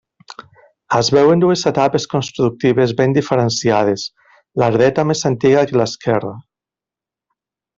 Es veuen dues etapes constructives ben diferenciades: la dreta més antiga que l'esquerre.